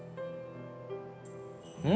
うん！